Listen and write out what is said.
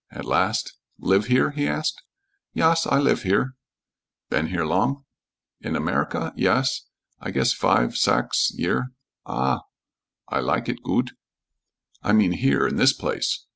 At last, "Live here?" he asked. "Yas, I lif here." "Been here long?" "In America? Yes. I guess five sax year. Oh, I lak it goot." "I mean here, in this place."